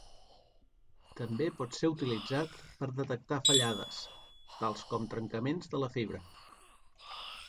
També pot ser utilitzat per detectar fallades, tals com trencaments de la fibra.